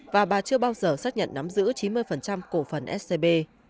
và bà chưa bao giờ xác nhận nắm giữ chín mươi cổ phần scb